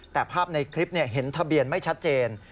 แต่ภาพในคลิปเห็นทะเบียนไม่ชัดเจน